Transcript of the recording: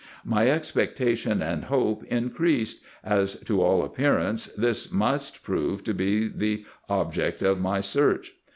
My expectation and hope increased, as to all appear ance, this must prove to be the object of my search.